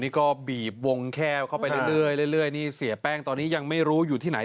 นี่ก็บีบวงแค้วเข้าไปเรื่อยนี่เสียแป้งตอนนี้ยังไม่รู้อยู่ที่ไหน